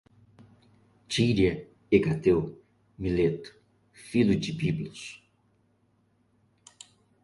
tíria, Hecateu, Mileto, Filo de Biblos